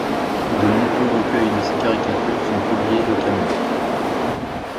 De nombreux recueils de ses caricatures sont publiés localement.